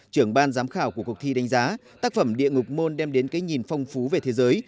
trưởng ban giám khảo của cuộc thi đánh giá tác phẩm địa ngục môn đem đến cái nhìn phong phú về thế giới